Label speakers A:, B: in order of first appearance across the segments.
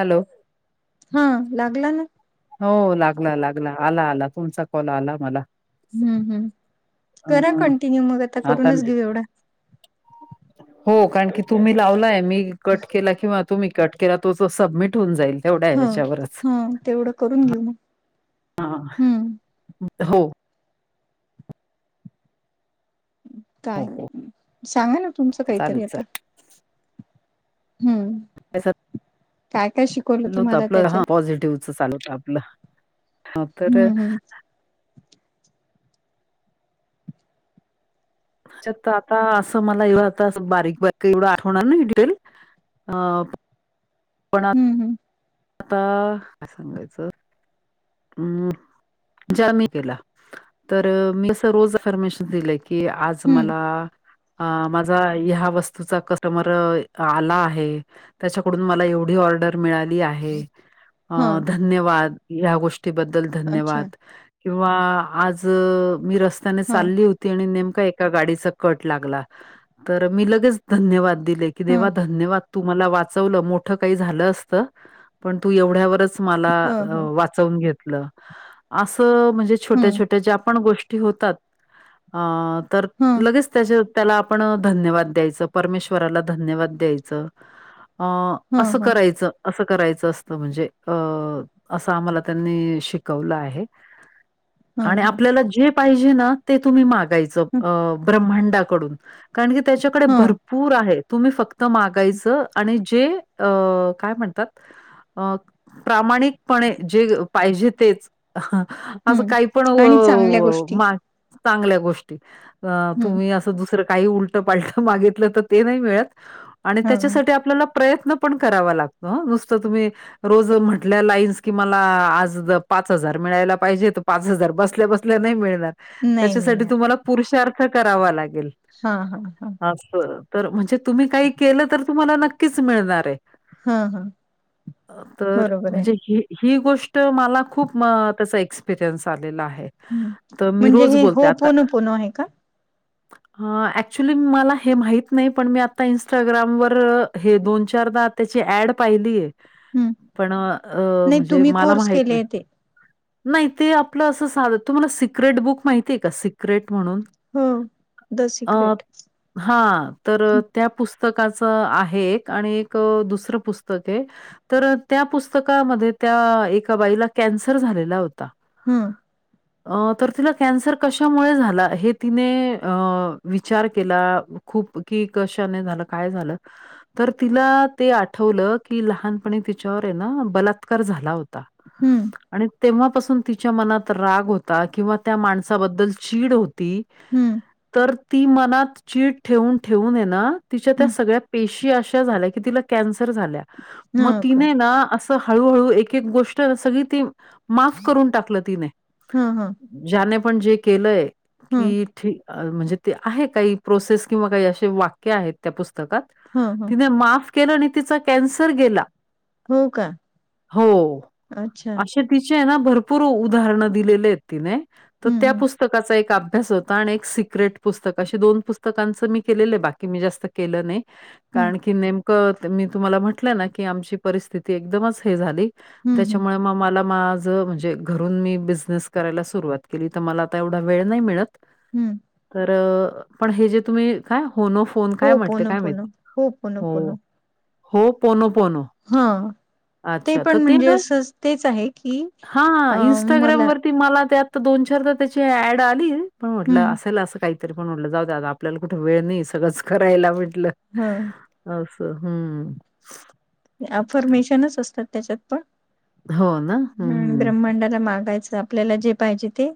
A: Hello
B: हा लागला ना
A: हो लागला लागला आला आला तुमचा कॉल आला मला
B: हम्म हम्
A: अ
B: करा कंटिन्यू मग आता करूनच घेऊ एवढा
A: हो कारण की तुम्ही लावलाय मी कट केला किंवा तुम्ही कट केला तो सबमिट होऊन जाईल तेवढ्या
B: हा
A: ह्याच्यावरच
B: हा तेवढं करून घेऊ मग
A: हा
B: हम्म
A: हो हो
B: काय
A: हो
B: सांगा ना तुमचं काहीतरी
A: चालेल
B: आता हम्म
A: त्यास
B: कायकाय शिकवलं
A: नव्हत
B: तुम्हाला
A: आपलं हा
B: त्याच्यात?
A: पॉझिटिव्हच चालवत आपलं हा तर
B: हम्म हम्म.
A: त्याच्यात आता असं मला एव आता बारीक बक एवढं आठवणार नाही ठईल अ पण
B: हम्म हम्म
A: आता काय सांगायचं हम्म म्ह ज्या मी केला तर मी अस रोज इन्फर्मेशन दिलंय कि आज आ
B: हम्म
A: मला माझा हा वस्तूचा कस र आला आहे त्याच्याकडून मला एवढी ऑर्डर मिळाली आहे अ
B: हा
A: धन्यवाद या गोष्टीबद्दल
B: अच्छा
A: धन्यवाद किंवा आज मी रस्त्याने
B: हा
A: चालली होती तने नेमका एका गाडीचा कट लागला तर मी लगेच धन्यवाद दिले कि
B: हा
A: देवा धन्यवाद तू मला वाचवलं मोठं काही झालं असतं पण तू एवढ्यावरच मला
B: हा हा.
A: वाचऊन घेतलं असं म्हणजे छोट्या
B: हम्म
A: छ्या ज्या पण गोष्ट गोष्टी होतात तर
B: हा
A: लगेच त्याच्या त्याला आपण धन्यवाद द्यायचं परमेश्वराला धन्यवाद द्यायचं अ
B: हा
A: असं
B: हा
A: करायचं असं करायचं असतं म्हणजे अ असं आम्हाला त्यां शिकवल आहे
B: हा
A: आणि
B: हा
A: आपल्याला जे पाहिजे ना ते तुम्ही माग ब्रांडाकडून कारण कच्याकडे
B: हा
A: भरपूर पूर आहे तुम्ही फक्त मागायचं आणि जे अ काय म्हणतात [unintelligible] [unintelligible] [unintelligible] [unintelligible] [unintelligible] [unintelligible] [unintelligible] [unintelligible] अ प्रामाणिकपणे जे [unintelligible] पाहिजे तेच असं
B: हम्म.
A: काही पण
B: आणि चांगल्या गोष्टी
A: मा [unintelligible] चांगल्या गोष्टी
B: हम्म
A: तुम्ही असं दुसर् [unintelligible] काही उलट पालट मागितलं तर ते नाही मिळत आणि
B: हा
A: त्याच्यासाठी आपल्याला [unintelligible] प्रयत्न पण कराव लागत नूसंत तुम्ही रोज म्हटल्या [unintelligible] पाच हार मिळायला पाहिजे पाच हजार बसल्या बसल्या नाही मिळणार
B: नाही
A: त्याच्यासाठी
B: मिळणार.
A: तुम्हाला [unintelligible] पुरुषार्थ करावा लागेल [unintelligible] [unintelligible]
B: हा हा हा [unintelligible]
A: तर म्हणजे तुम्ही काही केलं तर तुम्हाला नक्कीच मिळणार आहे
B: हा हा
A: [unintelligible] तर
B: बरोबर आहे.
A: म्हणजे हे [unintelligible] ही गोष्ट मला खूप त्याचा एक्सपिरियन्स आलेला आहे
B: हम्म.
A: [unintelligible] तर मी
B: म्हणजे
A: रोज
B: हे
A: बोलते
B: हो
A: आता
B: पोनो पोनो आहे का?
A: [unintelligible] अ अऍक्चुली मला हे माहित नाही पण मी आता इंस्टाग्रामवर हे दोन त्याची ऍड पाहिली
B: हम्म,
A: पण अ
B: नाही
A: म्हणजे [unintelligible]
B: तुम्ही कोर्स केले
A: नाही.
B: ते
A: नाही ते आपलं असं साधत तुम्हाला सिक्रेट बुक माहितीय का [unintelligible] ग्रेट म्हणून
B: हो. द
A: अ
B: सिक्रेट
A: [unintelligible] हा तर त्या पुस्तकाचं आहे एक आणि एक दुसरं पुस्तक आहे तर त्या पुस्तकामध्ये त्या एका बाईला कॅन्सर झालेला होता [unintelligible]
B: हम्म [unintelligible]
A: अ तर तिला कॅन्सर कशामुळे झाला हे तिने विचार केला खूप की कशाने झालं काय झालं [unintelligible] तर तिला ते आठवलं की लहानपणी तिच्यावर आहे ना बलात्कार झाला होता [unintelligible]
B: हं,
A: आता [unintelligible] आणि तेव्हापासून तिच्या मनात राग होता किंवा त्या माणसाबद्दल चीड होती [unintelligible]
B: हम्म [unintelligible]
A: तर ती मनात चचीड ठेवून ठेवून ये ना तिच्या त्या
B: हं,
A: सगळ्या पेशी अशा झाल्या की ति कॅन्सर झाल्या मग
B: हो का?
A: तिने ना हळूहळू [unintelligible] एक एक गोष्ट सगळी ती माफ करून टाकलं तिने [unintelligible]
B: हम हम
A: ज्याने पण जे केलंय
B: हं,
A: की ठी [unintelligible] म्हणजे ते आहे काही प्रोसेस किंवा काही असे वाक्य आहेत त्या पुस्तकात
B: हं,
A: [unintelligible]
B: हं,
A: तिने माफ केलं आणि तिचा कॅन्सर गेला [unintelligible]
B: हो का [unintelligible]
A: हो
B: अच्छा.
A: असे तिचे आहे ना भरपूर उदाहरण दिलेले आहेत तिने [unintelligible] तर
B: हं,
A: त्या
B: हं,
A: पुस्तकाचा एक अभ्यास होता [unintelligible] आणि एक सिक्रेट पुस्तक अे दोन पुस्तकांचं मी केलेलं आहे बाकी मी जास्त केलं नाही [unintelligible]
B: हं,
A: कारण की नेमक मी तुम्हाला म्हटलं ना की आमची परिस्थिती एकदमच हे झाली [unintelligible]
B: हं, हं,
A: त्याच्यामुळे म म [unintelligible] झ म्हणजे घरून मी बिझनेस करायला सुरुवात केली तर मला आता एवढा वेळ नाही मिळत
B: हं.
A: [unintelligible] तर पण हे जे तुम्ही काय होन [unintelligible] फोन काय
B: हो
A: म्हटले काय मी
B: पोनोपोनो,
A: हो
B: पोनोपोनो.
A: हो पोनो पोनो
B: हा ते पण म्हणजे असं तेच आहे की अ
A: हां,
B: मला
A: मला ते आ दोन चारदा त्याची ऍड आली पण म्हटलं
B: हं,
A: असेल अस काही [unintelligible] तरी पण म्हटलं जाऊ द आता आपल्याला कुठे वेळ नाही सगळंच करायला म्हटलं [unintelligible]
B: हा [unintelligible]
A: अस हम्म [unintelligible]
B: अफर्मेशनच असतात त्याच्यात पण
A: हो ना?
B: हम्
A: हं.
B: ब्रह्मांडाला मागायच आपल्याला जे पाहिजे ते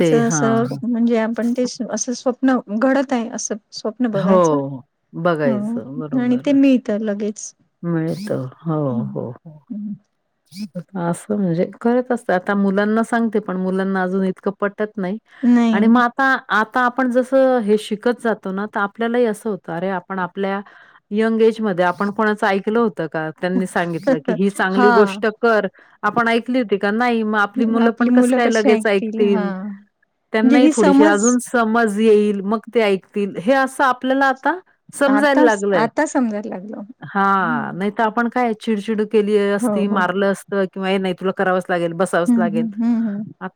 A: ते हां,
B: असं
A: हां.
B: म्हणजे आपण ते असं स्व न घडत आहे असं स्वप्न
A: हो. हो.
B: बघायचं
A: बघायचं
B: आणि ते मिळ तर लगेच
A: मिळत हो
B: हम्म
A: हो हो
B: हम्म.
A: असं म्हणजे करत असतं आता मुलांना सांगते पण मुलांना अजून इतकं पटत नाही. आणि मग
B: नाही
A: आता आता आपण जसं हे शिकत जातो ना तर आपल्यालाही असं होतं अरे आपण आपल्या यंग एज मध्ये आपण कोणाचं ऐकलं होत का त्यांनी सांगितलं की ही चांगली
B: हा
A: गोष्ट. कर आपण ऐकली होती का नाही मग आपली मुलं पण कसं काय लगेच ऐकतील.
B: म्हणजे
A: त्यांनाही
B: ही
A: थोडीशी
B: समज
A: अजून समज येईल मग ते ऐकतील हे असं आपल्याला आता समजायला
B: आता
A: लागलय
B: आता समजायला लागलं. हम्म.
A: हा नाही आपण काय चिडचिड केली
B: हो
A: असती
B: हो
A: मारलं असतं किंवा नाही तुला करावच लागेल बसावच
B: हम्म
A: लागेल.
B: हम्म हम्म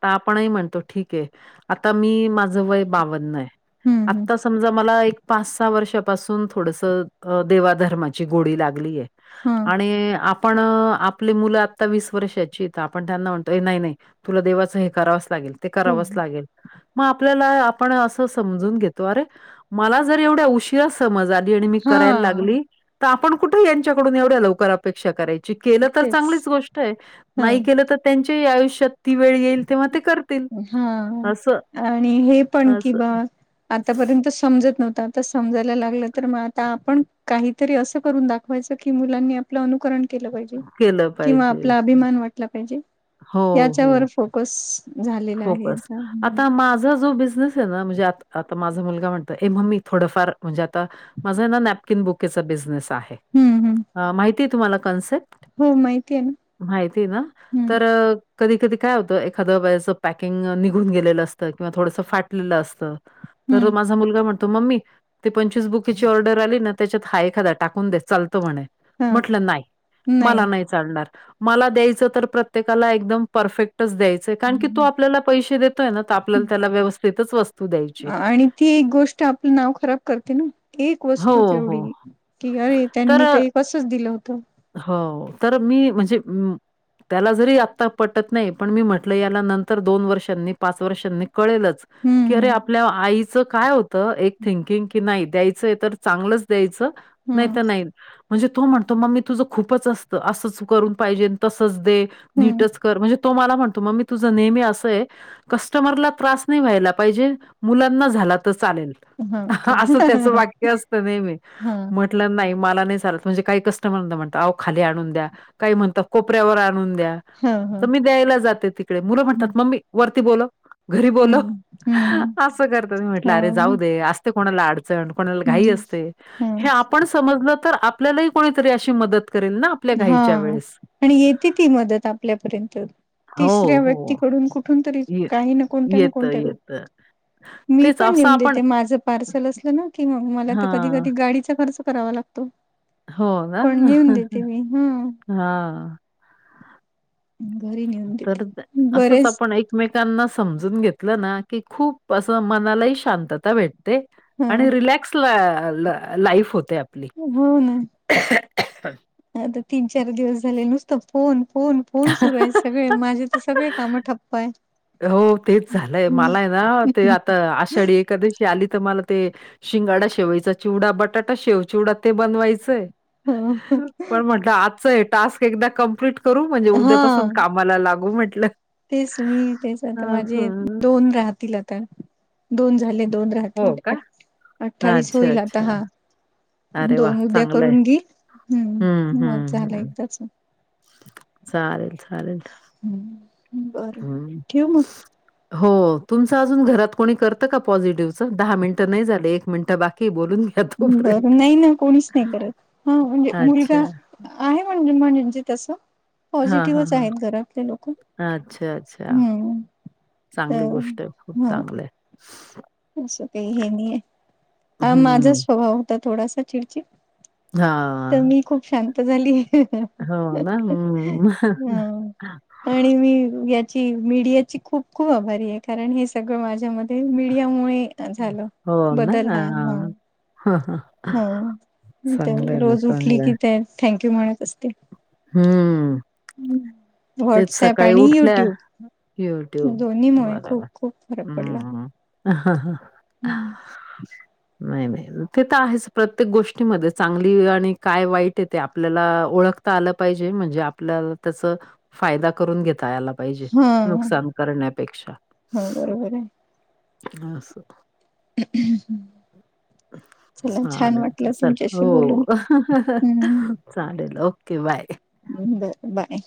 A: आता आपणही म्हणतो ठीक आहे आता मी माझं वय बावन्न आहे.
B: हम्म हम्म हम्म
A: आता समजा मला एक पाच सहा वर्षापासून थोडस देवाधर्माची गोडी लागलीय.
B: हा.
A: आणि आपण आपली मुलं आत्ता वीस वर्षाची आपण त्यांना म्हणतो नाही नाही तुला देवाचं हे करावंच लागेल. ते
B: हो
A: करावंच
B: हो.
A: लागेल. मग आपल्याला आपण असं समजून घेतो अरे मला जर एवढे उशीरा समज आली आणि मी करायला
B: हा
A: लागली तर आपण कुठे यांच्याकडून एवढ्या लवकर अपेक्षा करायची. केलं तर
B: तेच
A: चांगलीच गोष्ट आहे
B: हा
A: नाही केलं तर त्यांची आयुष्यात ती वेळ येईल तेव्हा ते कर
B: हा आणि हे पण कि
A: असं
B: ब आतापर्यंत समजत नव्हतं आता समजायला लागलं तर मग आता आपण काहीतरी असं करून दाख होयच की मुलांनी आपलं अनुकरण केलं पाहिजे
A: केलं
B: किंवा
A: पाहिजे.
B: आपला अभिमान वाट वाटला पाहिजे
A: हो,
B: याच्यावर
A: हो.
B: फोकस झालेला आहे
A: फोकस
B: आता हम्म
A: आता माझा जो बिझनेस ना म्हणजे आता माझा मुलगा म्हणतं ए मम्मी थोडंफार म्हणजे आता माझा ना नॅपकिन बुकेचा बिझनेस आहे
B: हम्म
A: माहिती आहे तुम्हाला कन्सेप्ट?
B: हो माहिती आहे ना
A: माहितेय ना
B: हम्म
A: तर कधी कधी काय होतं एखादं वहीचं पॅकिंग निघून गेलेलं असतं किंवा थोडंसं फाटलेलं असतं. तर
B: हम्म
A: माझा मुलगा म्हण तू मम्मी ते पंचवीस बुकीची ऑर्डर आली ना त्याच्यात हा एखादा टाकून दे चालतो म्हणे.
B: हा
A: म्हटलं नाही मला नाही. चालणार मला द्यायचं तर प्रत्येकाला एकदम परफेक्टच द्यायचं आहे कारण की तो आपल्याला पैसे देतोय ना तर आपल्याला त्याला व्यवस्थितच वस
B: आणि ती एक गोष्ट आपलं नाव खराब करते ना एक
A: हो,
B: वस्तू
A: हो.
B: तेवढी की अरे त्यांनी तर हे कसच दिलं होतं.
A: हो तर मी म्हणजे अम्म त्याला जरी आत्ता पटत नाही पण मी म्हटलं याला नंतर दोन वर्षांनी पाच वर्षांनी कळेलच की अरे
B: हम्म
A: आपल्या आईचं काय हो त एक थिंकिंग की नाही द्यायचं तर चांगलंच द्यायचं नाही
B: हम्म
A: तर नाही. म्हणजे तू म्हणतो मम्मी तुझं खूपच असतं असंच करून पाहिजे अन तसंच दे नीटच
B: हम्म
A: कर म्हणजे तो मला म्हणतो मम्मी तुझं नेहमी असं आहे. कस्टमरला त्रास नाही व्हायला पाहिजे मुलांना झाला तर चालेल.
B: हा का
A: असं त्याचं वाक्य असतं नेहमी
B: हा
A: म्हंटलं नाही मला नाही चालत म्हणजे काही कस म्हणतं अहो खाली आणून द्या काही म्हणतं कोपऱ्यावर आणून द्या.
B: हा हा
A: तर मी द्यायला जाते तिकडे मुलं
B: हम्म
A: म्हणतात मम्मी वरती बोलव. घरी बोलव
B: हम्म हम्म
A: असं करतात मी म्हटलं अरे जाऊ
B: हम्म
A: दे असते कोणाला अड अडचण कोणाला घाई
B: हम्म
A: असते
B: हा
A: हे आपण समजलं तर आपल्यालाही कोणीतरी अशी मदत करेल ना? आपल्या घाईच्या
B: हां
A: वेळेस.
B: आणि येते ती मदत आपल्यापर्यंत.
A: हो,
B: तिसऱ्या
A: हो.
B: व्यक्तीकडून कुठून तरी
A: ये
B: काही ना कोणत्या ना
A: येतं,
B: कोणत्या रूप
A: येतं.
B: मी
A: तेच
B: पण
A: असं
B: नेऊन
A: आपण
B: देते माझं पार्सल असलं ना. की मग मला तर कधी
A: हां.
B: कधी गाडीचा खर्च करावा लागतो.
A: हो का?
B: ते मी हम्म.
A: हां.
B: घरी नेऊन देते.
A: तर असंच
B: बरेच
A: आपण एक मेकांना समजून घेतलं ना की खूप असं मनालाही शांतता भेट ते
B: हा
A: आणि रिलॅक्स ला ला लाईफ होते आपली.
B: हो ना.
A: [inaudible]
B: आता तीन चार दिवस झाले नुसतं फोन फोन फोन सुरू आहे सगळे माझे तर सगळे काम ठप्प हाय
A: हो तेच झालंय मला आहे ना ते आता आषाढी एकादशी आली तर मला ते शिंगाडा शेवईचा चिवडा बटाटा शेव चिवडा ते बनवायचंय. पण म्हटलं आजच हे टास्क एकदा कमप्लीट करू म्हणजे
B: हा
A: उद्यापासून कामाला लागू म्हटलं.
B: तेच मी आता माझे
A: असं.
B: दोन राहतील आता दोन झालेत. दोन राहतील
A: हो का?
B: अठ्ठा अठ्ठावीस
A: अच्छा,
B: होईल आता
A: अच्छा.
B: हां
A: अरे वाह!
B: दोन उद्या
A: चांगलं आहे.
B: करून देईल
A: हं,
B: हम्म मग
A: हं,
B: झालं
A: हं.
B: एकदाचं.
A: चालेल चालेल.
B: हम्म.
A: हम्म. हो तुमचं अजून घरात कोणी करतं का पॉझिटिव्हचं दहा मिनिटं नाही झाले एक मिनिटं बाकी बोलून घ्या तोपर्यंत.
B: बरं नाही ना कोणीच नाही करत हा म्हणजे
A: अच्छा.
B: मुलगा आहे म्हण म्हणजे तसं.
A: हां, हां,
B: पॉझिटिव्हच
A: हां.
B: आहेत घरातले लोकं
A: अच्छा, अच्छा.
B: हम्म.
A: चांगली
B: तर
A: गोष्टय, खूप
B: हो
A: चांगलाय.
B: असं काही हे नाहीहे. हा माझाच
A: हं.
B: स्वभाव होता थोडासा चिडचिड. तर
A: हां.
B: मी खूप शांत झालीय.
A: हो ना. हं.
B: हा आणि मी या मीडिया ची खूप खूप आभारी आहे, कारण हे सगळं माझ्या मध्ये मीडिया मूळे झाल बदल हा ह.
A: ह ह.
B: हो, ते रोज उठली
A: चांगलं
B: की ते थँंक्यू म्हणत असते.
A: हम्म. तेच
B: व्हॉट्सअप
A: सकाळी
B: आणि
A: उठल्या
B: युट्यूब
A: युट्युब
B: दोन्ही मुळे खूप
A: बाराला
B: खूप फरक पडला
A: ह हा हा. नाही नाही ते तर आहेच प्रत्येक गोष्टीमध्ये चांगली आणि काय वाईटय ते आपल्याला ओळख ता आलं पाहिजे म्हणजे आपल्याला त्याचा फाय दा करून घेता याला पाहिजे
B: हा
A: नुकसान करण्यापेक्षा
B: हा बरोबर आहे
A: अस.
B: [unintelligible] चला छान
A: चालेल,
B: वाटलं
A: चला
B: तुमच्याशी बोलून
A: हो. चालेल, ओके. बाय.
B: हो, बाय.